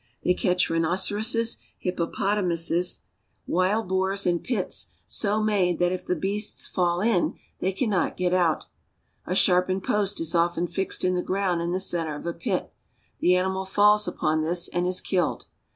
They catch rhinoceroses, hippopotamuses, and NUBIA 121 wild boars in pits so made that if the beasts fall in they can not get out. A sharpened post is often fixed in the ground in the center of a pit. The animal falls upon this and is killed.